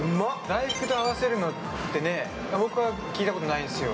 大福と合わせるのって、僕は聞いたことないですよ。